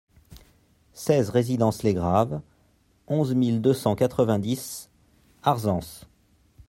seize résidence Les Graves, onze mille deux cent quatre-vingt-dix Arzens